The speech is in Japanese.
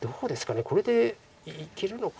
これでいけるのかな。